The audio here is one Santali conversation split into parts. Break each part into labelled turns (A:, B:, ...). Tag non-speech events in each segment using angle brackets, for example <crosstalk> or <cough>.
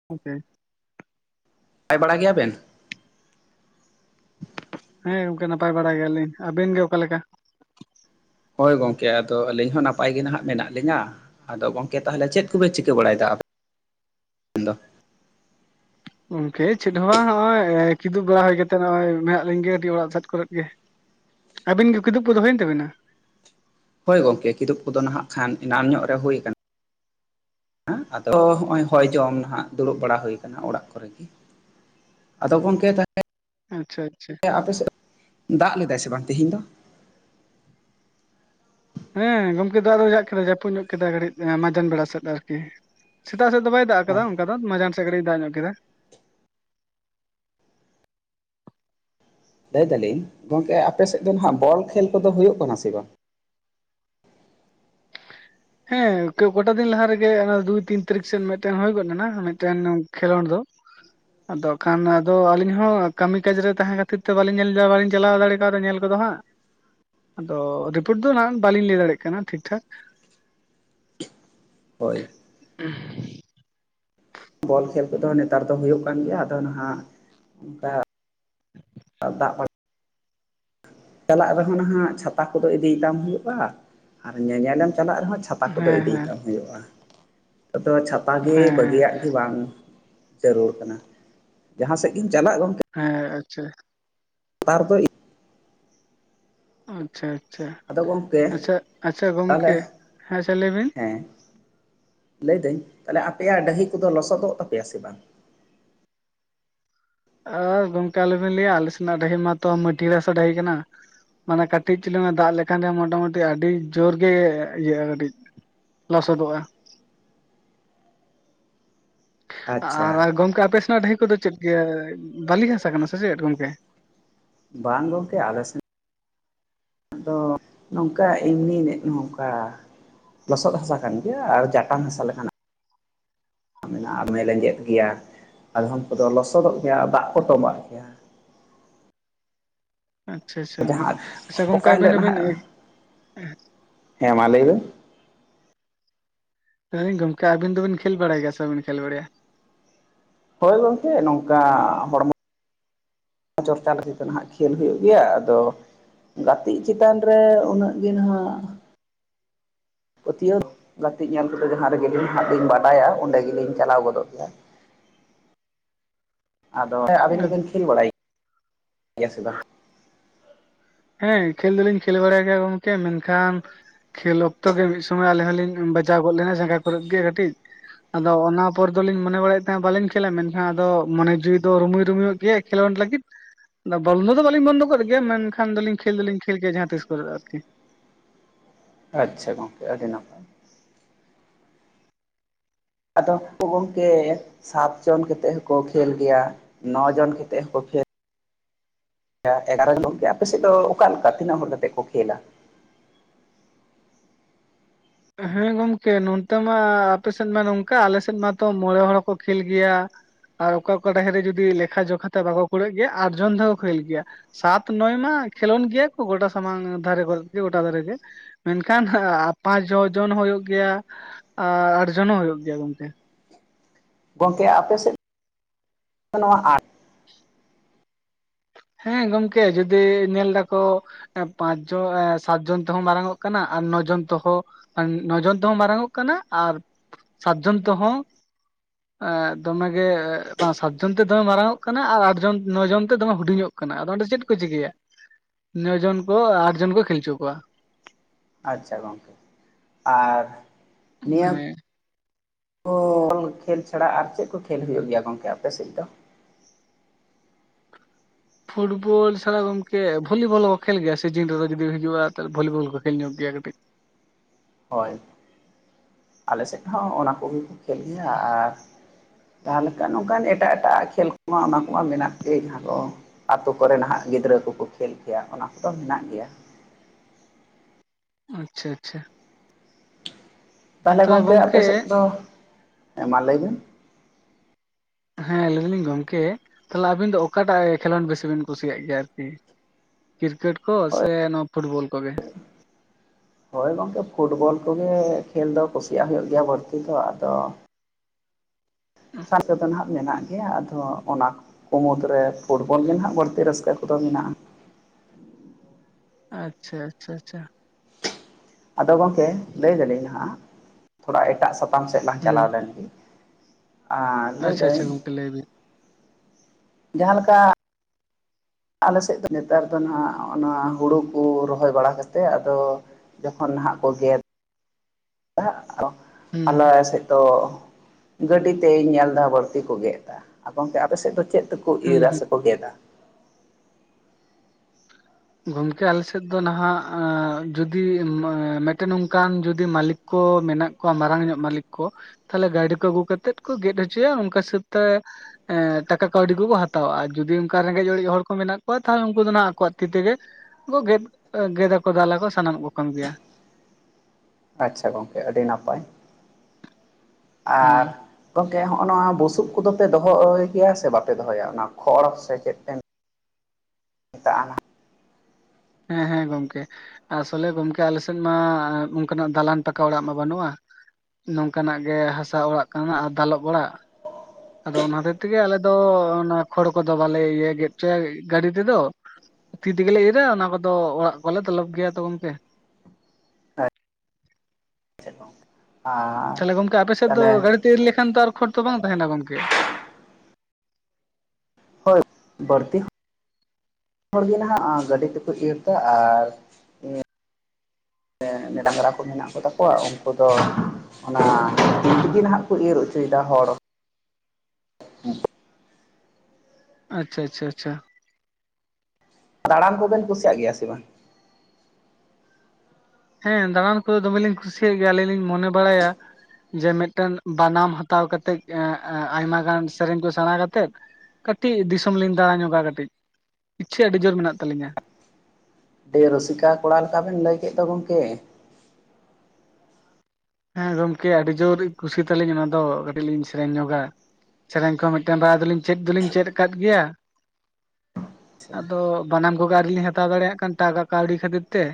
A: <unintelligible>
B: ᱱᱟᱯᱟᱭ ᱵᱟᱲᱟ ᱜᱮᱭᱟ ᱵᱮᱱ
A: ᱦᱮᱸ ᱜᱚᱝᱠᱮ ᱱᱟᱯᱟᱭ ᱵᱟᱲᱟ ᱜᱮᱭᱟᱞᱤᱧ ᱟᱵᱤᱱ ᱜᱮ ᱚᱠᱟᱞᱮᱠᱟ
B: ᱦᱳᱭ ᱜᱚᱝᱠᱮ ᱟᱫᱚ ᱟᱹᱞᱤᱧ ᱦᱚᱸ ᱱᱟᱯᱟᱭ ᱜᱮ ᱱᱟᱦᱟᱜ ᱢᱮᱱᱟᱜ ᱞᱤᱧᱟᱹ ᱟᱫᱚ ᱜᱚᱝᱠᱮ ᱛᱟᱦᱚᱞᱮ ᱪᱮᱫ ᱠᱚᱯᱮ ᱪᱤᱠᱟᱹ ᱵᱟᱲᱟᱭᱮᱫᱟ ᱟᱵᱮᱱ ᱫᱚ
A: ᱜᱚᱝᱠᱮ ᱪᱮᱫ ᱦᱚᱸ ᱵᱟᱝ ᱱᱚᱜᱼᱚᱭ ᱠᱤᱫᱩᱵ ᱵᱮᱲᱟ ᱦᱩᱭ ᱠᱟᱛᱮᱫ ᱱᱚᱜᱼᱚᱭ ᱢᱮᱱᱟᱜ ᱞᱤᱧ ᱜᱮᱭᱟ ᱠᱟᱹᱴᱤᱡ ᱚᱲᱟᱜ ᱥᱮᱫ ᱠᱚᱨᱮ ᱜᱮ ᱟᱹᱵᱤᱱ ᱜᱮ ᱠᱩᱤᱫᱩᱵ ᱠᱚᱫᱚ ᱦᱩᱭᱮᱱ ᱛᱟᱹᱵᱤᱱᱟ
B: ᱦᱳᱭ ᱜᱚᱝᱠᱮ ᱠᱤᱫᱩᱵ ᱠᱚᱫᱚ ᱱᱟᱦᱟᱜ ᱠᱷᱟᱱ ᱮᱱᱟᱝ ᱧᱚᱜ ᱨᱮ ᱦᱩᱭ ᱟᱠᱟᱱᱟ ᱟᱫᱚ ᱦᱚᱸᱜᱼᱚᱭ ᱦᱚᱭ ᱡᱚᱢ ᱱᱷᱟᱜ ᱫᱩᱲᱩᱵ ᱵᱟᱲᱟ ᱦᱩᱭ ᱟᱠᱟᱱᱟ ᱚᱲᱟᱜ ᱠᱚᱨᱮᱜᱮ ᱟᱫᱚ ᱜᱚᱢᱠᱮ ᱛᱟᱦ
A: ᱟᱪᱪᱷᱟ ᱼ ᱟᱪᱪᱷᱟ
B: ᱟᱯᱮ ᱥᱮᱫ ᱫᱟᱜ ᱞᱮᱫᱟᱭ ᱥᱮ ᱵᱟᱝ ᱛᱮᱦᱮᱧ ᱫᱚ
A: ᱦᱮᱸ ᱜᱚᱢᱠᱮ ᱫᱟᱜ ᱫᱚ ᱫᱟᱜ ᱠᱮᱫᱟ ᱡᱟᱹᱯᱩᱫ ᱧᱚᱜ ᱠᱮᱫᱟ ᱠᱟᱹᱴᱤᱡ ᱢᱟᱡᱟᱱ ᱵᱮᱲᱟ ᱥᱮᱫ ᱟᱨᱠᱤ ᱥᱮᱛᱟᱜ ᱥᱮᱫ ᱫᱚ ᱵᱟᱭ ᱫᱟᱜ
B: ᱦᱮᱸ
A: ᱟᱠᱟᱫᱟ ᱚᱱᱠᱟ ᱫᱚ ᱢᱟᱡᱟᱱ ᱥᱮᱫ ᱜᱮᱭ ᱠᱟ. ᱴᱤᱡ ᱫᱟᱜ ᱧᱚᱜ ᱠᱮᱫᱟ
B: ᱞᱟᱹᱭ ᱫᱟᱞᱤᱧ ᱜᱚᱝᱠᱮ ᱟᱯᱮ ᱥᱮᱫ ᱫᱚ ᱱᱟᱦᱟᱜ ᱵᱚᱞ ᱠᱷᱮᱞ ᱠᱚᱫᱚ ᱦᱩᱭᱩᱜ ᱠᱟᱱᱟ ᱥᱮ ᱵᱟᱝ
A: ᱦᱮᱸ ᱠᱚᱴᱟ ᱫᱤᱱ ᱞᱟᱦᱟ ᱨᱮᱜᱮ ᱫᱩᱭ ᱛᱤᱱ ᱛᱟᱨᱤᱠᱷ ᱥᱮᱱ ᱢᱤᱫᱴᱮᱱ ᱦᱩᱭ ᱜᱚᱫ ᱞᱮᱱᱟ ᱢᱤᱫᱴᱮᱱ ᱠᱷᱮᱞᱚᱸᱰ ᱫᱚ ᱟᱫᱚ ᱠᱷᱟᱱ ᱟᱫᱚ ᱟᱹᱞᱤᱧ ᱦᱚᱸ ᱠᱟᱹᱢᱤ ᱠᱟᱡᱽ ᱨᱮ ᱛᱟᱦᱮᱸ ᱠᱷᱟᱹᱛᱤᱨ ᱛᱮ ᱵᱟᱞᱤᱧ ᱧᱮᱞ ᱵᱟᱞᱤᱧ ᱪᱟᱞᱟᱣ ᱫᱟᱲᱮ ᱠᱟᱣᱫᱟ ᱧᱮᱞ ᱠᱚᱫᱚ ᱦᱟᱸᱜ ᱟᱫᱚ ᱨᱤᱯᱳᱨᱴ ᱫᱚ ᱱᱟᱦᱟᱜ ᱵᱟᱹᱞᱤᱧ ᱞᱟᱹᱭ ᱫᱟᱲᱮᱭᱟᱜ ᱠᱟᱱᱟ ᱴᱷᱤᱠᱼᱴᱷᱟᱠ
B: ᱦᱳᱭ
A: <inaudible>
B: ᱵᱚᱞ ᱠᱷᱮᱞ ᱠᱚᱫᱚ ᱱᱮᱛᱟᱨ ᱫᱚ ᱦᱩᱭᱩᱜ ᱠᱟᱱ ᱜᱮᱭᱟ ᱟᱫᱚ ᱱᱟᱦᱟᱜ ᱚᱱᱠᱟ ᱫᱟᱜ- ᱪᱟᱞᱟᱜ ᱨᱮᱦᱚᱸ ᱱᱟᱦᱟᱜ ᱪᱷᱟᱛᱟ ᱠᱚᱫᱚ ᱤᱫᱤᱭ ᱛᱟᱢ ᱦᱩᱭᱩᱜᱼᱟ ᱟᱨ ᱧᱮᱧᱮᱞᱮᱢ ᱪᱟᱞᱟᱜ ᱨᱮᱦᱚᱸ- ᱪᱷᱟᱛᱟ ᱠᱚᱫᱚ
A: ᱦᱮᱸ ᱦᱮᱸ
B: ᱤᱫᱤᱭᱛᱟᱢ ᱦᱩᱭᱩᱜᱼᱟ ᱟᱫᱚ ᱪᱷᱟᱛᱟ ᱜᱮ
A: ᱦᱮᱸ
B: ᱵᱟᱹᱜᱤᱭᱟᱜ ᱜᱮ ᱵᱟᱝ ᱡᱟᱹᱨᱩᱲ ᱠᱟᱱᱟ ᱡᱟᱦᱟᱸ ᱥᱮᱫ ᱜᱤᱢ ᱪᱟᱞᱟᱜ ᱜᱚᱝᱠᱮ
A: ᱦᱮᱸ ᱟᱪᱪᱷᱟ
B: <unintelligible> ᱫᱚ-
A: ᱟᱪᱪᱷᱟ ᱟᱪᱪᱷᱟ
B: ᱟᱫᱚ ᱜᱚᱢᱠᱮ
A: ᱟᱪᱪᱷᱟ ᱟᱪᱪᱷᱟ
B: ᱛᱟᱦᱚᱞᱮ
A: ᱜᱚᱝᱠᱮ ᱦᱮᱸᱪᱷᱟ ᱞᱟᱹᱭ ᱵᱤᱱ
B: ᱦᱮᱸ ᱞᱟᱹᱭᱫᱟᱹᱧ ᱛᱟᱦᱚᱞᱮ ᱟᱯᱮᱭᱟᱜ ᱰᱟᱹᱦᱤ ᱠᱚᱫᱚ ᱞᱚᱥᱚᱫᱚᱜ ᱛᱟᱯᱮᱭᱟ ᱥᱮ ᱵᱟᱝ
A: ᱟᱨ ᱜᱚᱢᱠᱮ ᱟᱞᱚᱵᱮᱱ ᱞᱟᱹᱭᱟ ᱟᱞᱮ ᱥᱮᱱᱟᱜ ᱰᱟᱹᱦᱤ ᱢᱟᱛᱚ ᱢᱟᱹᱴᱤᱭᱟᱹᱞ ᱦᱟᱥᱟ ᱰᱟᱹᱦᱤ ᱠᱟᱱᱟ ᱢᱟᱱᱮ ᱠᱟᱹᱴᱤᱡ ᱪᱩᱞᱩᱝ ᱮ ᱫᱟᱜ ᱞᱮᱠᱷᱟᱱᱮ ᱢᱚᱴᱟᱢᱩᱴᱤ ᱟᱹᱰᱤ ᱡᱳᱨ ᱜᱮ ᱤᱭᱟᱹᱜᱼᱟ ᱠᱟᱹᱴᱤᱡ ᱞᱚᱥᱚᱫᱚᱜᱼᱟ
B: ᱟᱪᱪᱷᱟ
A: ᱟᱨ ᱜᱚᱝᱠᱮ ᱟᱯᱮ ᱥᱮᱱᱟᱜ ᱰᱟᱹᱦᱤ ᱠᱚᱫᱚ ᱪᱮᱫ ᱜᱮᱭᱟ ᱵᱟᱹᱞᱤ ᱦᱟᱥᱟ ᱠᱟᱱᱟ ᱥᱮ ᱪᱮᱫ ᱜᱚᱝᱠᱮ
B: ᱵᱟᱝ ᱜᱚᱝᱠᱮ ᱟᱞᱮ ᱥᱮᱱ- ᱫᱚ ᱱᱚᱝᱠᱟ ᱮᱢᱱᱤᱮᱫ ᱱᱚᱝᱠᱟ ᱞᱚᱥᱚᱫ ᱦᱟᱥᱟ ᱠᱟᱱ ᱜᱮᱭᱟ ᱟᱨ ᱡᱟᱴᱟᱝ ᱦᱟᱥᱟ ᱞᱮᱠᱟᱱᱟᱜ ᱢᱮᱱᱟᱜᱼᱟ ᱟᱨ ᱫᱚᱢᱮ ᱞᱮᱸᱡᱮᱫ ᱜᱮᱭᱟ ᱟᱫᱷᱚᱢ ᱠᱚᱫᱚ ᱞᱚᱥᱚᱫᱚᱜ ᱜᱮᱭᱟ ᱫᱟᱜ ᱠᱚ ᱛᱚᱸᱢᱵᱟᱜ ᱜᱮᱭᱟ
A: ᱟᱪᱪᱷᱟ ᱟᱪᱪᱷᱟ
B: ᱡᱟᱦᱟᱸ
A: ᱟᱪᱪᱷᱟ ᱜᱚᱝᱠᱮ
B: ᱚᱠᱟ
A: ᱟᱵᱮᱱ
B: ᱦᱤᱞᱳᱜ
A: ᱫᱚ ᱵᱤᱱ-
B: ᱱᱟᱦᱟᱜ ᱦᱮᱸ ᱢᱟ ᱞᱟᱹᱭᱵᱮᱱ
A: ᱞᱮᱭ ᱫᱟᱹᱧ ᱜᱚᱢᱠᱮ ᱟᱵᱤᱱ ᱫᱚᱵᱤᱱ ᱠᱷᱮᱞ ᱵᱟᱲᱟᱭ ᱜᱮᱭᱟ ᱥᱮᱵᱟᱵᱤᱱ ᱠᱷᱮᱞ ᱵᱟᱲᱟᱭᱟ
B: ᱦᱳᱭ ᱜᱚᱝᱠᱮ ᱱᱚᱝᱠᱟ ᱦᱚᱲᱢᱚ ᱪᱚᱨᱪᱟ ᱞᱟᱹᱜᱤᱫ ᱛᱮ ᱱᱟᱦᱟᱜ ᱠᱷᱮᱞ ᱦᱩᱭᱩᱜ ᱜᱮᱭᱟ ᱟᱫᱚ ᱜᱟᱛᱮᱜ ᱪᱮᱛᱟᱱ ᱨᱮ ᱩᱱᱟᱹᱜ ᱜᱮ ᱱᱟᱦᱟᱜ ᱯᱟᱹᱛᱭᱟᱹᱣ ᱜᱟᱛᱮᱜ ᱧᱮᱞ ᱠᱟᱛᱮ ᱡᱟᱦᱟᱸ ᱨᱮᱜᱮᱞᱤᱧ ᱦᱟᱜ ᱞᱤᱧ ᱵᱟᱰᱟᱭᱟ ᱚᱸᱰᱮ ᱜᱮᱞᱤᱧ ᱪᱟᱞᱟᱣ ᱜᱚᱫᱚᱜ ᱜᱮᱭᱟ ᱾ ᱟᱫᱚ ᱦᱮᱸ ᱟᱹᱵᱤᱱ ᱫᱚᱵᱤᱱ ᱠᱷᱮᱞ ᱵᱟᱲᱟᱭ ᱜᱮᱭᱟ ᱥᱮ ᱵᱟᱝ?
A: ᱦᱮᱸ ᱠᱷᱮᱞ ᱫᱚᱞᱤᱧ ᱠᱷᱮᱞ ᱵᱟᱲᱟᱭ ᱜᱮᱭᱟ ᱜᱚᱢᱠᱮ, ᱢᱮᱱᱠᱷᱟᱱ ᱠᱷᱮᱞ ᱚᱠᱛᱚ ᱜᱮ ᱢᱤᱫ ᱥᱚᱢᱚᱭ ᱟᱞᱤᱧ ᱦᱚᱸᱞᱤᱧ ᱵᱟᱡᱟᱣ ᱜᱚᱫ ᱞᱮᱱᱟ ᱡᱟᱸᱜᱟ ᱠᱚᱨᱮᱫ ᱜᱮ ᱠᱟᱹᱴᱤᱡ ᱾ ᱟᱫᱚ ᱚᱱᱟ ᱯᱚᱨ ᱫᱚᱞᱤᱧ ᱢᱚᱱᱮ ᱵᱟᱲᱟᱭᱮᱫ ᱛᱟᱦᱮᱸᱫ ᱵᱟᱹᱞᱤᱧ ᱠᱷᱮᱞᱟ ᱢᱮᱱᱠᱷᱟᱱ ᱟᱫᱚ ᱢᱚᱱᱮ ᱡᱤᱣᱤ ᱫᱚ ᱨᱩᱢᱩᱭ ᱨᱩᱢᱩᱭᱚᱜ ᱜᱮᱭ ᱠᱷᱮᱞᱳᱱᱰ ᱞᱟᱹᱜᱤᱫ ᱵᱚᱞᱱᱫᱚ ᱫᱚ ᱵᱟᱹᱞᱤᱧ ᱵᱚᱱᱫᱚ ᱠᱚᱜ ᱜᱮᱭᱟ ᱢᱮᱱ ᱠᱷᱟᱱ ᱫᱚᱞᱤᱧ ᱠᱷᱮᱞ ᱫᱚᱞᱤᱧ ᱠᱷᱮᱞ ᱜᱮᱭᱟ ᱡᱟᱦᱟᱸ ᱛᱤᱥ ᱠᱚᱨᱮ ᱟᱨᱠᱤ ᱾
B: ᱟᱪᱪᱷᱟ ᱜᱚᱢᱠᱮ ᱟᱹᱰᱤ ᱱᱟᱯᱟᱭ ᱾ ᱟᱫᱚ ᱜᱚᱝᱠᱮ ᱥᱟᱛ ᱡᱚᱱ ᱠᱟᱛᱮᱫ ᱦᱚᱠᱚ ᱠᱷᱮᱞ ᱜᱮᱭᱟ ᱱᱚ ᱡᱚᱱ ᱠᱟᱛᱮᱫ ᱦᱚᱠᱚ ᱠᱷᱮᱞ ᱜᱮᱭᱟ ᱮᱜᱟᱨᱚ ᱡᱚᱱ ᱜᱚᱝᱠᱮ ᱟᱯᱮ ᱥᱮᱫ ᱫᱚ ᱚᱠᱟ ᱞᱮᱠᱟ ᱛᱤᱱᱟᱹᱜ ᱦᱚᱲ ᱠᱟᱛᱮᱫ ᱠᱚ ᱠᱷᱮᱹᱞᱟ?
A: ᱦᱮᱸ ᱜᱚᱢᱠᱮ ᱱᱚᱛᱮ ᱢᱟ ᱟᱯᱮᱥᱮᱫ ᱢᱟ ᱱᱚᱝᱠᱟ ᱟᱞᱮᱥᱮᱫ ᱢᱟᱛᱚ ᱢᱚᱬᱮ ᱦᱚᱲᱠᱚ ᱠᱷᱮᱞ ᱜᱮᱭᱟ ᱾ ᱟᱨ ᱚᱠᱟ ᱚᱠᱟ ᱰᱟᱹᱦᱤᱨᱮ ᱡᱩᱫᱤ ᱞᱮᱠᱷᱟ ᱡᱚᱠᱷᱟᱛᱮ ᱵᱟᱠᱚ ᱠᱩᱲᱟᱹᱜ ᱜᱮᱭᱟ ᱟᱴᱡᱚᱱ ᱛᱮᱦᱚᱠᱚ ᱠᱷᱮᱞ ᱜᱮᱭᱟ ᱾ ᱥᱟᱛ ᱱᱚᱭ ᱢᱟ ᱠᱷᱮᱞᱳᱱ ᱜᱮᱭᱟ ᱠᱚ ᱜᱚᱰᱟ ᱥᱟᱢᱟᱝ ᱫᱷᱟᱨᱮ ᱠᱚᱨᱮᱫ ᱜᱮ, ᱜᱚᱴᱟ ᱫᱷᱟᱨᱮ ᱜᱮ ᱾ ᱢᱮᱱᱠᱷᱟᱱ ᱟᱯᱟᱸᱪᱷᱚ ᱡᱚᱱ ᱦᱩᱭᱩᱜ ᱜᱮᱭᱟ ᱟᱴ ᱡᱚᱱ ᱦᱚᱸ ᱦᱩᱭᱩᱜ ᱜᱮᱭᱟ ᱜᱚᱝᱠᱮ ᱾
B: ᱜᱚᱝᱠᱮ ᱟᱯᱮ ᱥᱮᱫ ᱱᱚᱣᱟ ᱟᱴ
A: ᱦᱮᱸ ᱜᱚᱢᱠᱮ ᱡᱩᱫᱤ ᱧᱮᱞ ᱫᱟᱠᱚ ᱯᱟᱸᱪ ᱡᱚᱱ ᱥᱟᱛ ᱡᱚᱱ ᱛᱮᱦᱚᱸ ᱢᱟᱨᱟᱝ ᱚᱜ ᱠᱟᱱᱟ ᱟᱨ ᱱᱚ ᱡᱚᱱ ᱛᱮᱦᱚᱸ ᱱᱚ ᱡᱚᱱ ᱛᱮᱦᱚᱸ ᱢᱟᱨᱟᱝ ᱚᱜ ᱠᱟᱱᱟ ᱾ ᱟᱨ ᱥᱟᱛ ᱡᱚᱱ ᱛᱮᱦᱚᱸ ᱮ ᱫᱚᱢᱮᱜᱮ ᱵᱟᱝ ᱥᱟᱛ ᱡᱚᱱ ᱛᱮ ᱫᱚᱢᱮ ᱢᱟᱨᱟᱝ ᱚᱜ ᱠᱟᱱᱟ ᱟᱨ ᱟᱴ ᱡᱚᱱ ᱱᱚ ᱡᱚᱱ ᱛᱮ ᱫᱚᱢᱮ ᱦᱩᱰᱤᱧᱚᱜ ᱠᱟᱱᱟ ᱾ ᱟᱫᱚ ᱚᱸᱰᱮ ᱪᱮᱫ ᱠᱚ ᱪᱤᱠᱟᱹᱭᱟ ᱱᱚ ᱡᱚᱱ ᱠᱚ ᱟᱴ ᱡᱚᱱ ᱠᱚ ᱠᱷᱮᱞ ᱦᱚᱪᱚ ᱠᱚᱣᱟ ᱾
B: ᱟᱪᱪᱷᱟ ᱜᱚᱝᱠᱮ ᱟᱨ ᱱᱤᱭᱟᱹ
A: ᱦᱮᱸ
B: ᱠᱚ ᱠᱷᱮᱞ ᱪᱷᱟᱲᱟ ᱟᱨ ᱪᱮᱫ ᱠᱚ ᱠᱷᱮᱞ ᱦᱩᱭᱩᱜ ᱜᱮᱭᱟ ᱜᱚᱝᱠᱮ ᱟᱯᱮ ᱥᱮᱫ ᱫᱚ?
A: ᱯᱷᱩᱴᱵᱚᱞ ᱪᱷᱟᱲᱟ ᱜᱚᱢᱠᱮ ᱵᱷᱚᱞᱤᱵᱚᱞ ᱦᱚᱸᱠᱚ ᱠᱷᱮᱞ ᱜᱮᱭᱟ ᱥᱤᱡᱤᱱ ᱨᱮᱫᱚ ᱡᱩᱫᱤᱢ ᱦᱤᱡᱩᱜᱼᱟ ᱛᱟᱦᱚᱞᱮ ᱵᱷᱚᱞᱤᱵᱚᱞ ᱦᱚᱸ ᱠᱚ ᱠᱷᱮᱞ ᱧᱚᱜ ᱜᱮᱭᱟ ᱠᱟᱹᱴᱤᱡ ᱾
B: ᱦᱳᱭ ᱟᱞᱮ ᱥᱮᱫ ᱦᱚᱸ ᱚᱱᱟ ᱠᱚᱜᱮ ᱠᱚ ᱠᱷᱮᱞ ᱜᱮᱭᱟ ᱟᱨ ᱛᱟᱦᱞᱮ ᱠᱷᱟᱱ ᱱᱚᱝᱠᱟᱱ ᱮᱴᱟᱜ ᱮᱴᱟᱜ ᱠᱷᱮᱞ ᱠᱚᱢᱟ ᱚᱱᱟ ᱠᱚᱢᱟ ᱢᱮᱱᱟᱜ ᱜᱮ ᱡᱟᱦᱟᱠᱚ ᱟᱛᱳ ᱠᱚᱨᱮ ᱱᱟᱦᱟᱜ ᱜᱤᱫᱽᱨᱟᱹ ᱠᱚᱠᱚ ᱠᱷᱮᱞ ᱠᱮᱭᱟ ᱚᱱᱟ ᱠᱚᱫᱚ ᱢᱮᱱᱟᱜ ᱜᱮᱭᱟ ᱾
A: ᱟᱪᱪᱷᱟ ᱟᱪᱪᱷᱟ ᱾
B: ᱛᱟᱦᱚᱞᱮ ᱜᱚᱢᱠᱮ ᱟᱯᱮ
A: ᱜᱚᱝᱠᱮ
B: ᱥᱮᱫ ᱫᱚ, ᱮᱸ ᱢᱟ ᱞᱟᱹᱭ ᱵᱮᱱ ᱾
A: ᱦᱮᱸ ᱞᱟᱹᱭ ᱫᱟᱹᱞᱤᱧ ᱜᱚᱝᱠᱮ ᱛᱟᱦᱞᱮ ᱟᱵᱤᱱ ᱫᱚ ᱚᱠᱟᱴᱟᱜ ᱠᱷᱮᱞᱳᱰ ᱵᱮᱥᱤ ᱵᱤᱱ ᱠᱩᱥᱤᱭᱟᱜ ᱜᱮᱭᱟ ᱟᱨᱠᱤ? ᱠᱨᱤᱠᱮᱴ ᱠᱚ
B: ᱦᱳᱭ
A: ᱥᱮ ᱱᱚᱣᱟ ᱯᱷᱩᱴᱵᱚᱞ ᱠᱚᱜᱮ?
B: ᱦᱳᱭ ᱜᱚᱝᱠᱮ ᱯᱷᱩᱴᱵᱚᱞ ᱠᱚᱜᱮ ᱠᱷᱮᱞ ᱫᱚ ᱠᱩᱥᱤᱭᱟᱜ ᱦᱩᱭᱩᱜ ᱜᱮᱭᱟ ᱵᱟᱹᱲᱛᱤ ᱫᱚ, ᱟᱫᱚ ᱥᱟᱨᱪᱮᱛ ᱱᱟᱦᱟᱜ ᱢᱮᱱᱟᱜ ᱜᱮᱭᱟ ᱟᱫᱚ ᱚᱱᱟ ᱠᱚ ᱢᱩᱫᱽ ᱨᱮ ᱯᱷᱩᱴᱵᱚᱞ ᱜᱮ ᱱᱟᱦᱟᱜ ᱵᱟᱹᱲᱛᱤ ᱨᱟᱹᱥᱠᱟᱹ ᱠᱚᱫᱚ ᱢᱮᱱᱟᱜᱼᱟ ᱾
A: ᱟᱪᱪᱷᱟ ᱟᱪᱪᱷᱟ ᱟᱪᱪᱷᱟ ᱾
B: ᱟᱫᱚ ᱜᱚᱝᱠᱮ ᱞᱟᱹᱭ ᱫᱟᱞᱤᱧ ᱦᱟᱸᱜ ᱛᱷᱚᱲᱟ ᱮᱴᱟᱜ ᱥᱟᱛᱟᱢ ᱥᱮᱫ ᱞᱟᱝ ᱪᱟᱞᱟᱣ
A: ᱦᱩᱸ
B: ᱞᱮᱱ ᱜᱤ ᱾ ᱟᱨ
A: ᱟᱪᱪᱷᱟ
B: ᱞᱟᱹᱭᱫᱟᱹᱧ
A: ᱟᱪᱪᱷᱟ ᱜᱚᱝᱠᱮ ᱞᱟᱹᱭ ᱵᱤᱱ
B: ᱡᱟᱦᱟᱸ ᱞᱮᱠᱟ ᱟᱞᱮ ᱥᱮᱫ ᱫᱚ ᱱᱮᱛᱟᱨ ᱫᱚ ᱦᱟᱜ ᱚᱱᱟ ᱦᱩᱲᱩ ᱠᱚ ᱨᱚᱦᱚᱭ ᱵᱟᱲᱟ ᱠᱟᱛᱮᱫ ᱟᱫᱚ ᱡᱚᱠᱷᱚᱱ ᱱᱟᱦᱟᱜ ᱠᱚ ᱜᱮᱫ ᱾ ᱟᱞᱮ
A: ᱦᱩᱸ
B: ᱥᱮᱫ ᱫᱚ ᱜᱟᱹᱰᱤᱛᱮᱧ ᱧᱮᱞ ᱮᱫᱟ ᱵᱟᱹᱲᱛᱤ ᱠᱚ ᱜᱮᱫ ᱮᱫᱟ, ᱟᱫᱚ ᱚᱱᱛᱮ ᱟᱯᱮ ᱥᱮᱫ ᱫᱚ ᱪᱮᱫ ᱛᱮᱠᱚ
A: ᱦᱩᱸ
B: ᱤᱨᱟ
A: ᱦᱩᱸ
B: ᱥᱮ ᱠᱚ ᱜᱮᱫᱟ?
A: ᱜᱚᱝᱠᱮ ᱟᱞᱮᱥᱮᱫ ᱫᱚ ᱱᱟᱦᱟᱜ ᱡᱩᱚᱫᱤ ᱢᱤᱫᱴᱮᱱ ᱚᱝᱠᱟᱱ ᱡᱚᱫᱤ ᱢᱟᱞᱤᱠ ᱠᱚ ᱢᱮᱱᱟᱜ ᱠᱚᱣᱟ ᱢᱟᱨᱟᱝ ᱧᱚᱜ ᱢᱟᱹᱞᱤᱠ ᱠᱚ ᱾ ᱛᱟᱦᱞᱮ ᱜᱟᱹᱰᱤ ᱠᱚ ᱟᱹᱜᱩ ᱠᱟᱛᱮ ᱠᱚ ᱜᱮᱫ ᱦᱚᱪᱚᱭᱟ, ᱚᱱᱠᱟ ᱦᱤᱥᱟᱹᱵ ᱛᱮ ᱴᱟᱠᱟ ᱠᱟᱹᱣᱰᱤ ᱠᱚᱠᱚ ᱦᱟᱛᱟᱣᱟ ᱡᱩᱫᱤ ᱚᱱᱠᱟ ᱨᱮᱸᱜᱮᱡ ᱚᱨᱮᱡ ᱦᱚᱲ ᱠᱚ ᱢᱮᱱᱟᱜ ᱠᱚᱣᱟ ᱛᱟᱦᱚᱞᱮ ᱩᱱᱠᱩ ᱫᱚ ᱱᱟᱜ ᱟᱠᱚᱣᱟᱜ ᱤᱛᱤ ᱛᱮᱜᱮ ᱩᱱ ᱜᱮᱫ, ᱜᱮᱫ ᱟᱠᱚ ᱫᱟᱞᱟᱠᱚ ᱥᱟᱱᱟᱢ ᱠᱚ ᱠᱟᱹᱢᱤ ᱜᱮᱭᱟ ᱾
B: ᱟᱪᱪᱷᱟ ᱜᱚᱝᱠᱮ ᱟᱹᱰᱤ ᱱᱟᱯᱟᱭ ᱾
A: ᱦᱩᱸ
B: ᱟᱨ ᱜᱚᱢᱠᱮ ᱦᱚᱜ-ᱚ ᱱᱚᱣᱟ ᱵᱩᱥᱩᱵ ᱠᱚᱫᱚ ᱯᱮ ᱫᱚᱦᱚᱭ ᱜᱮᱭᱟ ᱥᱮ ᱵᱟᱯᱮ ᱫᱚᱦᱚᱭᱟ ᱚᱱᱟ ᱠᱷᱚᱲ ᱥᱮ ᱪᱮᱫ?
A: <inaudible>
B: ᱢᱮᱛᱟᱜᱼᱟ ᱱᱟᱦ
A: ᱦᱮᱸ ᱦᱮᱸ ᱜᱚᱝᱠᱮ ᱾ ᱟᱥᱚᱞᱮ ᱜᱚᱝᱠᱮ ᱟᱞᱮᱥᱮᱫ ᱢᱟ ᱚᱱᱠᱟᱱᱟᱜ ᱫᱟᱞᱟᱱ ᱯᱟᱠᱟ ᱚᱲᱟᱜ ᱢᱟ ᱵᱟᱹᱱᱩᱜᱼᱟ ᱱᱚᱝᱠᱟᱱᱟᱜ ᱜᱮ ᱦᱟᱥᱟ ᱚᱲᱟᱜ ᱠᱟᱱᱟ ᱟᱨ ᱫᱟᱞᱚᱵ ᱚᱲᱟᱜ ᱟᱫᱚ ᱚᱱᱟ ᱦᱚᱛᱮᱡ ᱛᱮᱜᱮ ᱟᱞᱮ ᱫᱚ ᱚᱱᱟ ᱠᱷᱚᱲ ᱠᱚᱫᱚ ᱵᱟᱞᱮ ᱤᱭᱟᱹ ᱜᱮᱫ ᱦᱚᱪᱚᱭᱟ ᱜᱟᱹᱰᱤ ᱛᱮᱫᱚ ᱛᱤ ᱛᱮᱜᱮᱞᱮ ᱤᱨᱟ ᱚᱱᱟ ᱠᱚᱫᱚ ᱚᱲᱟᱜ ᱠᱚᱞᱮ ᱫᱚᱞᱚᱵ ᱜᱮᱭᱟ ᱛᱚ ᱜᱚᱝᱠᱮ
B: ᱟᱨ
A: ᱛᱟᱦᱚᱞᱮ ᱜᱚᱝᱠᱮ ᱟᱯᱮ ᱥᱮᱫ ᱫᱚ
B: ᱛᱟᱦᱚᱞᱮ
A: ᱜᱟᱹᱲᱤᱛᱮ ᱤᱨ ᱞᱮᱠᱷᱟᱱ ᱛᱚ ᱟᱨ ᱠᱷᱚᱨ ᱛᱚ ᱵᱟᱝ ᱛᱟᱦᱮᱱᱟ ᱜᱚᱝᱠᱮ
B: ᱦᱳᱭ ᱵᱟᱹᱲᱛᱤ ᱦᱚᱲ ᱜᱮ ᱱᱟᱦᱟᱜ ᱜᱟᱹᱰᱤ ᱛᱮᱠᱚ ᱤᱨ ᱮᱫᱟ ᱟᱨ ᱰᱟᱝᱨᱟ ᱠᱚ ᱢᱮᱱᱟᱜ ᱠᱚᱛᱟ ᱠᱚᱣᱟ ᱩᱱᱠᱩ ᱫᱚ ᱚᱱᱟ ᱛᱤ ᱛᱤᱜᱤ ᱱᱟᱦᱟᱜ ᱠᱚ ᱤᱨ ᱚᱪᱚᱭᱮᱫᱟ ᱦᱚᱲ ᱦᱮᱸ
A: ᱟᱪᱪᱷᱟ ᱟᱪᱪᱷᱟ ᱟᱪᱪᱷᱟ
B: ᱫᱟᱬᱟᱱ ᱠᱚᱵᱮᱱ ᱠᱩᱥᱤᱭᱟᱜ ᱜᱮᱭᱟ ᱥᱮ ᱵᱟᱝ
A: ᱦᱮᱸ ᱫᱟᱬᱟᱱ ᱠᱚᱫᱚ ᱫᱚᱢᱮᱞᱤᱧ ᱠᱩᱥᱤᱭᱟᱜ ᱜᱮᱭᱟ ᱟᱹᱞᱤᱧ ᱞᱤᱧ ᱢᱚᱱᱮ ᱵᱟᱲᱟᱭᱟ ᱡᱮ ᱢᱤᱫᱴᱮᱱ ᱵᱟᱱᱟᱢ ᱦᱟᱛᱟᱣ ᱠᱟᱛᱮᱜ ᱮᱸᱮᱸ ᱟᱭᱢᱟ ᱜᱟᱱ ᱥᱮᱨᱮᱧ ᱠᱚ ᱥᱮᱬᱟ ᱠᱟᱛᱮᱜ ᱠᱟᱹᱴᱤᱡ ᱫᱤᱥᱚᱢ ᱞᱤᱧ ᱫᱟᱬᱟ ᱧᱚᱜᱟ ᱠᱟᱹᱴᱤᱡ, ᱤᱪᱪᱷᱟᱹ ᱟᱹᱰᱤ ᱡᱳᱨ ᱢᱮᱱᱟᱜ ᱛᱟᱹᱞᱤᱧᱟ
B: ᱟᱰᱤ ᱨᱩᱥᱤᱠᱟ ᱠᱚᱲᱟ ᱞᱮᱠᱟ ᱵᱮᱱ ᱞᱟᱹᱭ ᱠᱮᱫ ᱫᱚ ᱜᱚᱝᱠᱮ
A: ᱦᱮᱸ ᱜᱚᱝᱠᱮ ᱟᱹᱰᱤ ᱡᱳᱨ ᱠᱩᱥᱤ ᱛᱟᱹᱞᱤᱧ ᱚᱱᱟ ᱫᱚ ᱠᱟᱹᱴᱤᱡ ᱞᱤᱧ ᱥᱮᱨᱮᱧ ᱧᱚᱜᱟ ᱥᱮᱨᱮᱧ ᱠᱚ ᱢᱤᱫᱴᱮᱱ ᱵᱟᱨᱭᱟ ᱫᱚᱞᱤᱧ ᱪᱮᱫ ᱫᱚᱞᱤᱧ ᱪᱮᱫ ᱟᱠᱟᱫ ᱜᱮᱭᱟ
B: ᱟᱪᱪᱷᱟ
A: ᱟᱫᱚ ᱵᱟᱱᱟᱢ ᱠᱚᱜᱮ ᱟᱹᱣᱨᱤ ᱞᱤᱧ ᱦᱟᱛᱟᱣ ᱫᱟᱲᱮᱭᱟᱜ ᱠᱟᱱ ᱴᱟᱠᱟ ᱠᱟᱹᱣᱰᱤ ᱠᱷᱟᱹᱛᱤᱨ ᱛᱮ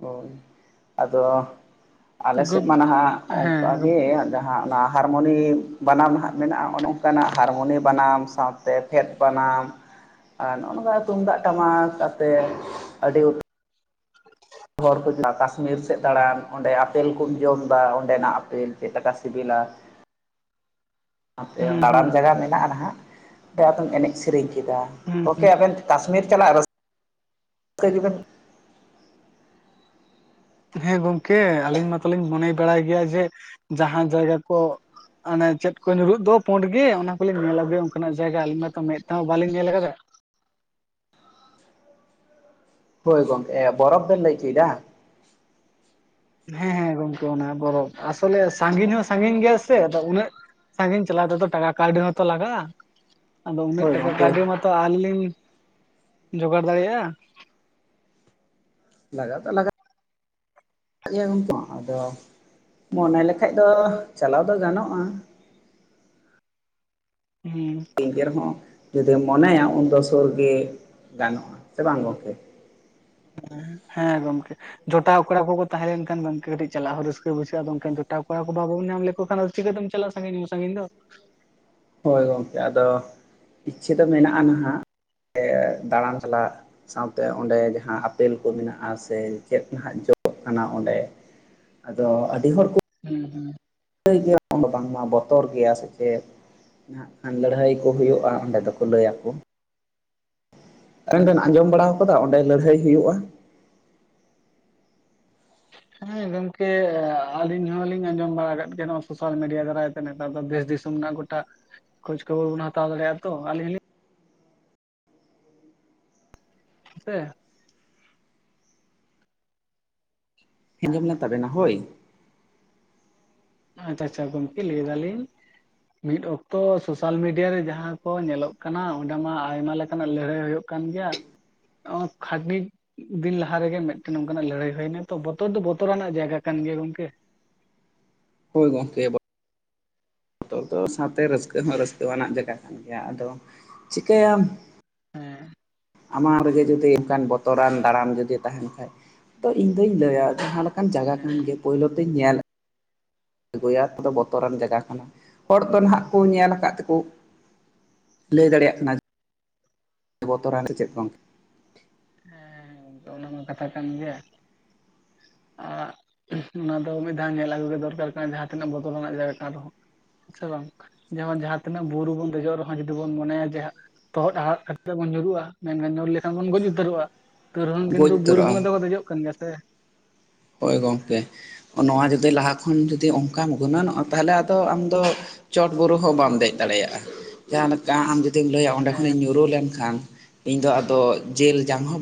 B: ᱦᱳᱭ ᱟᱫᱚ ᱟᱞᱮᱥᱮᱫ
A: ᱜᱚᱢ
B: ᱢᱟ ᱱᱟᱦᱟᱜ
A: ᱦᱮᱸ
B: ᱚᱱᱠᱟ
A: ᱦᱩᱸ
B: ᱜᱮ ᱡᱟᱦᱟᱸ ᱚᱱᱟ ᱦᱟᱨᱢᱩᱱᱤ ᱵᱟᱱᱟᱢ ᱱᱟᱦᱟᱜ ᱢᱮᱱᱟᱜᱼᱟ ᱚᱱᱮ ᱚᱱᱠᱟᱱᱟᱜ ᱦᱟᱨᱢᱩᱱᱤ ᱵᱟᱱᱟᱢ ᱥᱟᱶ ᱛᱮ ᱯᱷᱮᱫ ᱵᱟᱱᱟᱢ ᱟᱨ ᱱᱚᱜ ᱱᱚᱝᱠᱟ ᱛᱩᱢᱫᱟᱜ ᱴᱟᱢᱟᱠ ᱟᱛᱮᱫ ᱟᱹᱰᱤ ᱦᱚᱲ ᱠᱩ ᱪᱟᱞᱟᱜ-ᱟ ᱠᱟᱥᱢᱤᱨ ᱥᱮᱫ ᱫᱟᱬᱟᱱ ᱚᱸᱰᱮ ᱟᱯᱮᱞ ᱠᱩᱢ ᱡᱚᱢ ᱮᱫᱟ ᱚᱸᱰᱮᱱᱟᱜ ᱟᱯᱮᱞ ᱪᱮᱫ ᱞᱮᱠᱟ ᱥᱤᱵᱤᱞᱟ ᱟᱯᱮ
A: ᱦᱩᱸ
B: ᱫᱟᱬᱟᱱ
A: ᱦᱩᱸ
B: ᱡᱟᱭᱜᱟ ᱢᱮᱱᱟᱜᱼᱟ ᱱᱟᱦᱟᱜ ᱛᱮ ᱟᱛᱚᱢ ᱮᱱᱮᱡ ᱥᱮᱨᱮᱧ ᱠᱮᱫᱟ᱾ ᱜᱚᱝᱠᱮ
A: ᱦᱩᱸ
B: ᱟᱵᱮᱱ ᱠᱟᱥᱢᱤᱨ ᱪᱟᱞᱟᱜ ᱨᱟᱹᱥᱠᱟᱹ ᱜᱮ ᱵᱮᱱ
A: ᱦᱮᱸ ᱜᱚᱝᱠᱮ ᱟᱹᱞᱤᱧ ᱢᱟᱛᱚᱞᱤᱧ ᱢᱚᱱᱮ ᱵᱟᱲᱟᱭ ᱜᱮᱭᱟ ᱡᱮ ᱡᱟᱦᱟᱸ ᱡᱟᱭᱜᱟ ᱠᱚ ᱚᱱᱮ ᱪᱮᱫ ᱠᱚ ᱧᱩᱨᱦᱩᱜ ᱫᱚ ᱯᱳᱸᱰ ᱜᱮ ᱚᱱᱟ ᱠᱚᱞᱤᱧ ᱧᱮᱞ ᱟᱹᱜᱩᱭᱟ ᱚᱱᱠᱟᱱᱟᱜ ᱡᱟᱭᱜᱟ ᱟᱞᱤᱧ ᱢᱟᱛᱚ ᱢᱮᱫ ᱛᱮᱦᱚᱸ ᱵᱟᱹᱞᱤᱧ ᱧᱮᱞ ᱟᱠᱟᱫᱟ᱾
B: ᱦᱳᱭ ᱜᱚᱝᱠᱮ, ᱵᱚᱨᱯᱷ ᱵᱮᱱ ᱞᱟᱹᱭ ᱦᱚᱪᱚᱭ ᱫᱟ
A: ᱦᱮᱸ ᱦᱮᱸ ᱜᱚᱝᱠᱮ ᱚᱱᱟ ᱵᱚᱨᱚᱯ᱾ ᱟᱥᱚᱞᱮ ᱥᱟᱺ ᱜᱤᱧ ᱦᱚᱸ ᱥᱟᱺᱜᱤᱧ ᱜᱮᱭᱟ ᱥᱮ ᱟᱫᱚ ᱩᱱᱟᱹᱜ ᱥᱟᱺᱜᱤᱧ ᱪᱟᱞᱟᱣ ᱛᱮ ᱫᱚ ᱴᱟᱠᱟ ᱠᱟᱹᱣᱰᱤ ᱦᱚᱸ ᱛᱚ ᱞᱟᱜᱟᱜ-ᱟ ᱟᱫᱚ ᱩᱱᱟᱹᱜ
B: ᱦᱳᱭ
A: ᱴᱟᱠᱟ
B: ᱜᱚᱝᱠᱮ
A: ᱠᱟᱹᱣᱰᱤ ᱢᱟᱛᱚ ᱟᱹᱣᱨᱤ ᱞᱤᱧ ᱡᱚᱜᱟᱲ ᱫᱟᱲᱮᱭᱟᱜᱼᱟ
B: ᱞᱟᱜᱟᱜ ᱫᱚ ᱞᱟᱜᱟᱜ ᱜᱚᱝᱠᱮ ᱟᱫᱚ ᱢᱚᱱᱮ ᱞᱮᱠᱟᱡ ᱫᱚ ᱪᱟᱞᱟᱣ ᱫᱚ ᱜᱟᱱᱚᱜᱼᱟ
A: ᱦᱩᱸ
B: ᱮᱱᱛᱮ ᱨᱮᱦᱚᱸ ᱡᱩᱫᱤᱢ ᱢᱚᱱᱮᱭᱟ ᱩᱱᱫᱚ ᱥᱩᱨ ᱜᱮ ᱜᱟᱱᱚᱜᱼᱟ ᱥᱮ ᱵᱟᱝ ᱜᱚᱝᱠᱮ
A: ᱦᱮᱸ ᱜᱚᱝᱠᱮ ᱡᱚᱴᱟᱣ ᱠᱚᱲᱟ ᱠᱚᱠᱚ ᱛᱟᱦᱮᱸ ᱞᱮᱱᱠᱷᱟᱱ ᱜᱚᱝᱠᱮ ᱠᱟᱹᱴᱤᱡ ᱪᱟᱞᱟᱜ ᱦᱚᱸ ᱨᱟᱹᱥᱠᱟᱹ ᱵᱩᱡᱷᱟᱹᱜᱼᱟ ᱟᱫᱚᱟᱱ ᱡᱚᱴᱟᱣ ᱠᱚᱲᱟ ᱠᱚ ᱵᱟᱵᱚᱱ ᱧᱟᱢ ᱞᱮᱠᱚ ᱠᱷᱟᱱ ᱪᱷᱤᱠᱟᱹᱛᱮᱢ ᱪᱟᱞᱟᱜ-ᱟ ᱥᱟᱺᱜᱤᱧ ᱦᱚᱸ ᱥᱟᱺᱜᱤᱧ ᱫᱚ
B: ᱦᱳᱭ ᱜᱚᱝᱠᱮ ᱟᱫᱚ ᱤᱪᱪᱷᱟᱹ ᱫᱚ ᱢᱮᱱᱟᱜᱼᱟ ᱱᱟᱦᱟᱜ ᱥᱮ ᱫᱟᱬᱟᱱ ᱪᱟᱞᱟᱜ ᱥᱟᱶᱛᱮ ᱚᱸᱰᱮ ᱡᱟᱦᱟᱸ ᱟᱯᱮᱞ ᱠᱚ ᱢᱮᱱᱟᱜᱼᱟ ᱥᱮ ᱪᱮᱫ ᱱᱟᱦᱟᱜ ᱡᱚᱜ ᱠᱟᱱᱟ ᱚᱸᱰᱮ ᱟᱫᱚ ᱟᱹᱰᱤ ᱦᱚᱲ ᱠᱚ
A: ᱦᱩᱸ ᱦᱩᱸ
B: ᱞᱟᱹᱭ ᱜᱮᱭᱟ ᱚᱸᱰᱮ ᱵᱟᱝᱢᱟ ᱵᱚᱛᱚᱨ ᱜᱮᱭᱟ ᱥᱮ ᱪᱮᱫ ᱱᱟᱦᱟᱜ ᱠᱷᱟᱱ ᱞᱟᱹᱲᱦᱟᱹᱭ ᱠᱚ ᱦᱩᱭᱩᱜᱼᱟ ᱚᱸᱰᱮ ᱫᱚᱠᱚ ᱞᱟᱹᱭ ᱟᱠᱚ ᱟᱵᱮ ᱵᱮᱱ ᱟᱸᱡᱚᱢ ᱵᱟᱲᱟ ᱟᱠᱟᱫᱟ ᱚᱸᱰᱮ ᱞᱟᱹᱲᱦᱟᱹᱭ ᱦᱩᱭᱩᱜᱼᱟ?
A: ᱦᱮᱸ ᱜᱚᱝᱠᱮ ᱟᱞᱤᱧ ᱦᱚᱞᱤᱧ ᱟᱸᱡᱚᱢ ᱵᱟᱲᱟ ᱟᱠᱟᱫ ᱜᱮᱭᱟ ᱱᱚᱣᱟᱜ ᱥᱳᱥᱟᱞ ᱢᱤᱰᱤᱭᱟ ᱠᱚᱨᱮᱫ ᱱᱮᱛᱟᱨ ᱫᱚ ᱫᱮᱥ ᱫᱤᱥᱚᱢ ᱨᱮᱱᱟᱜ ᱜᱚᱴᱟ ᱠᱷᱳᱡᱽ ᱠᱷᱚᱵᱚᱨ ᱵᱚᱱ ᱦᱟᱛᱟᱣ ᱫᱟᱲᱮᱭᱟᱜᱼᱟ ᱛᱚ, ᱟᱹᱞᱤᱧ ᱦᱚᱞᱤᱧ ᱦᱮᱸ ᱥᱮ
B: <unintelligible> ᱞᱮᱱ ᱛᱟᱵᱮᱱᱟ ᱦᱳᱭ
A: ᱟᱪᱪᱷᱟ ᱟᱪᱪᱷᱟ ᱜᱚᱝᱠᱮ ᱞᱟᱹᱭ ᱫᱟᱞᱤᱧ ᱢᱤᱫ ᱚᱠᱛᱚ ᱥᱳᱥᱟᱞ ᱢᱤᱰᱤᱭᱟ ᱨᱮ ᱡᱟᱦᱟᱸ ᱠᱚ ᱧᱮᱞᱚᱜ ᱠᱟᱱᱟ ᱚᱸᱰᱮ ᱢᱟ ᱟᱭᱢᱟ ᱞᱮᱠᱟᱱᱟᱜ ᱞᱟᱹᱲᱦᱟᱹᱭ ᱦᱩᱭᱩᱜ ᱠᱟᱱ ᱜᱮᱭᱟ ᱠᱷᱟᱫᱽᱱᱤ ᱫᱤᱱ ᱞᱟᱦᱟ ᱨᱮᱜᱮ ᱢᱤᱫᱴᱮᱱ ᱱᱚᱝᱠᱟᱱᱟᱜ ᱞᱟᱹᱲᱦᱟᱹᱭ ᱦᱩᱭᱱᱟ ᱛᱚ ᱵᱚᱛᱚᱨ ᱫᱚ ᱵᱚᱛᱚᱨᱟᱱᱟᱜ ᱡᱟᱭᱜᱟ ᱠᱟᱱ ᱜᱮᱭᱟ ᱜᱚᱝᱠᱮ᱾
B: ᱦᱳ ᱜᱚᱝᱠᱮ ᱵᱚᱛᱚᱨ ᱫᱚ ᱥᱟᱶᱛᱮ ᱨᱟᱹᱥᱠᱟᱹ ᱦᱚᱸ ᱨᱟᱹᱥᱠᱟᱹᱣᱟᱱᱟᱜ ᱡᱟᱭᱜᱟ ᱠᱟᱱ ᱜᱮᱭᱟ ᱟᱫᱚ ᱪᱤᱠᱟᱹᱭᱟᱢ
A: ᱦᱮᱸ
B: ᱟᱢᱟᱜ ᱨᱮᱜᱮ ᱡᱩᱫᱤ ᱚᱱᱠᱟᱱ ᱵᱚᱛᱚᱨᱟᱱ ᱫᱟᱲᱟᱱ ᱡᱩᱫᱤ ᱛᱟᱦᱮᱱ ᱠᱷᱟᱡ ᱛᱚ ᱤᱧ ᱫᱚᱧ ᱞᱟᱹᱭᱟ ᱡᱟᱦᱟᱸ ᱞᱮᱠᱟᱱ ᱡᱟᱭᱜᱟ
A: ᱦᱮᱸ
B: ᱠᱟᱱ ᱜᱮ ᱯᱩᱭᱞᱳ ᱛᱤᱧ ᱧᱮᱞ ᱟᱹᱜᱩᱭᱟ ᱛᱚ ᱵᱚᱛᱚᱨᱟᱱ ᱡᱟᱭᱜᱟ ᱠᱟᱱᱟ ᱦᱚᱲ ᱫᱚ ᱱᱟᱦᱟᱸᱜ ᱠᱚ ᱧᱮᱞ ᱟᱠᱟᱫ ᱛᱮᱠᱚ ᱞᱟᱹᱭ ᱫᱟᱲᱮᱭᱟᱜ ᱠᱟᱱᱟ ᱵᱚᱛᱚᱨᱟᱱ ᱥᱮ ᱪᱮᱫ ᱜᱚᱝᱠᱮ
A: ᱦᱮᱸ ᱮᱠᱫᱚᱢ ᱚᱱᱟᱢᱟ ᱠᱟᱛᱷᱟ ᱠᱟᱱ ᱜᱮᱭᱟ ᱟᱨ ᱚᱱᱟ ᱫᱚ ᱢᱤᱫ ᱫᱷᱟᱣ ᱧᱮᱞ ᱟᱹᱜᱩ ᱜᱮ ᱫᱚᱨᱠᱟᱨ ᱠᱟᱱᱟ ᱡᱟᱦᱟᱸ ᱛᱤᱱᱟᱹᱜ ᱵᱚᱛᱚᱨᱟᱱᱟᱜ ᱡᱟᱭᱜᱟ ᱠᱟᱱ ᱨᱮᱦᱚᱸ ᱥᱮ ᱵᱟᱝ ᱡᱮᱢᱚᱱ ᱡᱟᱦᱟᱸ ᱛᱤᱱᱟᱹᱜ ᱵᱩᱨᱩ ᱵᱚᱱ ᱫᱮᱡᱚᱜ ᱨᱮᱦᱚᱸ ᱡᱩᱫᱤ ᱵᱚᱱ ᱢᱚᱱᱮᱭᱟ ᱡᱮ ᱦᱟᱸᱜ ᱛᱚᱦᱚᱫ-ᱟ ᱦᱟᱦᱟᱜ ᱠᱟᱛᱮ ᱵᱚᱱ ᱧᱩᱨᱩᱜᱼᱟ ᱢᱮᱱᱠᱷᱟᱱ ᱧᱩᱨ ᱞᱮᱠᱷᱟᱱ ᱵᱚᱱ ᱜᱚᱡ ᱩᱛᱟᱹᱨᱚᱜᱼᱟ <unintelligible> ᱠᱤᱱᱛᱩ
B: ᱜᱚᱡ
A: ᱵᱩᱨᱩ
B: ᱩᱛᱟᱹᱨᱚᱜᱼᱟ
A: ᱵᱚᱸᱜᱟ ᱫᱚᱠᱚ ᱫᱮᱡᱚᱜ ᱠᱟᱱ ᱜᱮᱭᱟ ᱥᱮ
B: ᱦᱳᱭ ᱜᱚᱢᱠᱮ ᱱᱚᱣᱟ ᱡᱩᱫᱤ ᱞᱟᱦᱟ ᱠᱷᱚᱱ ᱡᱩᱫᱤ ᱚᱱᱠᱟᱢ ᱜᱩᱱᱟᱹᱱᱚᱜᱼᱟ ᱛᱟᱦᱚᱞᱮ ᱟᱫᱚ ᱟᱢᱫᱚ ᱪᱚᱴ ᱵᱩᱨᱩ ᱦᱚᱸ ᱵᱟᱢ ᱫᱮᱡ ᱫᱟᱲᱮᱭᱟᱜᱼᱟ ᱡᱟᱦᱟᱸ ᱞᱮᱠᱟ ᱟᱢ ᱡᱩᱫᱤᱢ ᱞᱟᱹᱭᱟᱢ ᱚᱸᱰᱮ
A: ᱦᱮᱸ
B: ᱠᱷᱚᱱᱤᱧ ᱧᱩᱨᱩ ᱞᱮᱱ ᱠᱷᱟᱱ ᱤᱧ ᱫᱚ ᱟᱫᱚ ᱡᱤᱞ ᱡᱟᱝ ᱦᱚᱸ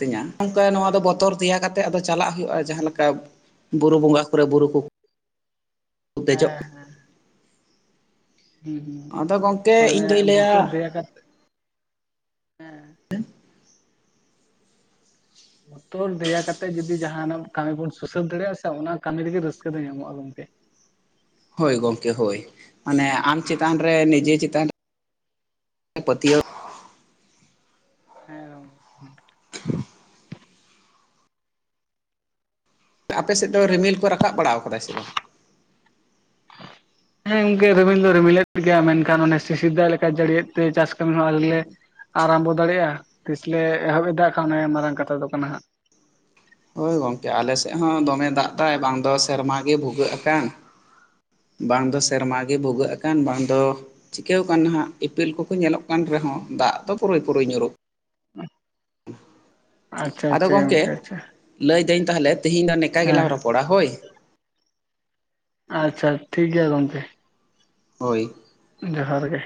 B: ᱛᱤᱧᱟ ᱱᱚᱝᱠᱟ ᱱᱚᱣᱟ ᱫᱚ ᱵᱚᱛᱚᱨ ᱛᱮᱭᱟ ᱠᱟᱛᱮᱜ ᱪᱟᱞᱟᱜ ᱦᱩᱭᱩᱜᱼᱟ ᱡᱟᱦᱟᱸ ᱞᱮᱠᱟ ᱵᱩᱨᱩ ᱵᱚᱸᱜᱟ ᱠᱚᱨᱮ ᱵᱩᱨᱩ ᱠᱚ ᱫᱮᱡᱚᱜ
A: ᱦᱮᱸ ᱦᱮᱸ ᱦᱮᱸ ᱦᱩᱸ
B: ᱟᱫᱚ ᱜᱚᱝᱠᱮ
A: ᱢᱟᱱᱮ
B: ᱤᱧ ᱫᱩᱧ ᱞᱟᱹᱭᱟ
A: ᱵᱚᱛᱚᱨ ᱫᱮᱭᱟ ᱠᱟᱛᱮ ᱦᱮᱸ
B: <inaudible>
A: ᱵᱚᱛᱚᱨ ᱫᱮᱭᱟ ᱠᱟᱛᱮᱫ ᱡᱩᱫᱤ ᱡᱟᱦᱟᱱᱟᱜ ᱠᱟᱹᱢᱤ ᱵᱚᱱ ᱥᱩᱥᱟᱹᱨ ᱫᱟᱲᱮᱭᱟᱜᱼᱟ ᱥᱮ ᱚᱱᱟ ᱠᱟᱹᱢᱤ ᱨᱮᱜᱮ ᱨᱟᱹᱥᱠᱟᱹ ᱫᱚ ᱧᱟᱢᱚᱜᱼᱟ ᱜᱚᱝᱠᱮ᱾
B: ᱦᱳᱭ ᱜᱚᱝᱠᱮ ᱦᱳᱭ ᱢᱟᱱᱮ ᱟᱢ ᱪᱮᱛᱟᱱ ᱨᱮ ᱱᱤᱡᱮ ᱪᱮᱛᱟᱱ ᱼᱼ ᱯᱟᱹᱛᱭᱟᱹᱣ
A: ᱦᱮᱸ
B: ᱟᱯᱮᱥᱮᱫ ᱫᱚ ᱨᱤᱢᱤᱞ ᱠᱚ ᱨᱟᱠᱟᱵ ᱵᱟᱲᱟᱣ ᱟᱠᱟᱫᱟ ᱥᱮ ᱵᱟᱝ?
A: ᱟᱨ <unintelligible> ᱦᱮᱸ ᱜᱚᱢᱠᱮ ᱨᱤᱢᱤᱞ ᱫᱚ ᱨᱤᱢᱤᱞᱮᱫ ᱜᱮᱭᱟ ᱢᱮᱱᱠᱷᱟᱱ ᱚᱱᱮ ᱥᱤᱥᱤᱨ ᱫᱟᱜ ᱞᱮᱠᱟ ᱡᱟᱹᱲᱤᱭᱮᱫ ᱛᱮ ᱪᱟᱥ ᱠᱟᱹᱢᱤ ᱦᱚᱸ ᱟᱞᱮ <unintelligible> ᱞᱮ ᱼᱼ ᱟᱨᱟᱢᱵᱚ ᱫᱟᱲᱮᱭᱟᱜᱼᱟ ᱛᱤᱥᱞᱮ ᱮᱦᱚᱵ ᱮᱫᱟ ᱠᱷᱟᱱ <unintelligible> <unintelligible> ᱢᱟᱨᱟᱝ ᱠᱟᱛᱷᱟ ᱫᱚ ᱠᱟᱱᱟ ᱦᱟᱸᱜ।
B: ᱦᱳᱭ ᱜᱚᱝᱠᱮ ᱟᱞᱮ ᱥᱮᱫ ᱦᱚᱸ ᱫᱚᱢᱮ ᱫᱟᱜ ᱮᱫᱟᱭ ᱵᱟᱝ ᱫᱚ ᱥᱮᱨᱢᱟ ᱜᱮ ᱵᱷᱩᱜᱟᱹᱜ ᱟᱠᱟᱱ। ᱵᱟᱝ ᱫᱚ ᱥᱮᱨᱢᱟ ᱜᱮ ᱵᱷᱩᱜᱟᱹᱜ ᱟᱠᱟᱱ ᱵᱟᱝ ᱫᱚ ᱼᱼ ᱪᱤᱠᱟᱹᱣ ᱠᱟᱱ ᱱᱟᱦᱟᱸᱜ ᱤᱯᱤᱞ ᱠᱚᱠᱚ ᱧᱮᱞᱚᱜ ᱠᱟᱱ ᱨᱮᱦᱚᱸ ᱫᱟᱜ ᱫᱚ ᱯᱩᱨᱟᱹᱭ ᱯᱩᱨᱟᱹᱭ ᱧᱩᱨᱩᱜ ᱼᱼ
A: ᱟᱪᱪᱷᱟ
B: ᱟᱫᱚ
A: ᱟᱪᱪᱷᱟ
B: ᱜᱚᱢᱠᱮ
A: ᱜᱚᱝᱠᱮ ᱟᱪᱪᱷᱟ
B: ᱞᱟᱹᱭᱫᱟᱹᱧ ᱛᱟᱦᱟᱞᱮ ᱛᱤᱦᱤᱧ ᱫᱚ ᱱᱤᱝᱠᱟ <unintelligible>
A: ᱦᱮᱸ
B: ᱜᱮᱞᱟᱝ ᱨᱚᱯᱚᱲᱟ ᱦᱳᱭ।
A: ᱟᱪᱪᱷᱟ ᱴᱷᱤᱠ ᱜᱮᱭᱟ ᱜᱚᱢᱠᱮ।
B: ᱦᱳᱭ
A: ᱡᱚᱦᱟᱨ ᱜᱮ